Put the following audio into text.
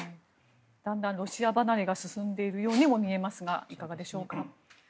だんだんロシア離れが進んでいるようにも見えますがいかがでしょうか。